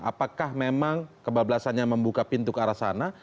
apakah memang kebablasannya membuka pintu ke arah sana